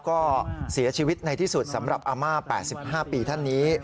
ก็เสียชีวิตในที่สุดสำหรับอาม่า๘๕ปีท่านนี้